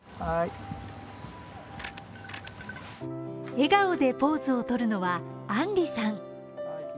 笑顔でポーズをとるのは安理さん。